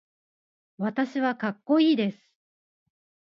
私はかっこいいです。